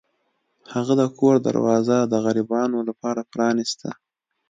هغه د کور دروازه د غریبانو لپاره پرانیسته.